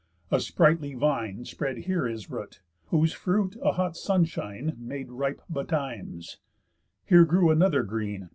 A spritely vine Spread here his root, whose fruit a hot sunshine Made ripe betimes; here grew another green.